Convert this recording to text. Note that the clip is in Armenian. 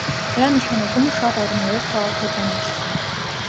Նրա նշանակումը շատ առումներով քաղաքական էր։